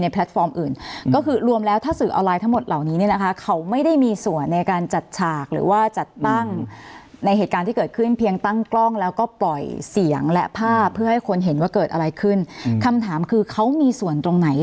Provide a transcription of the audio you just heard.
ปล่อยเสียงแหละภาพเพื่อให้คนเห็นว่าเกิดอะไรขึ้นคำถามคือเขามีส่วนตรงไหน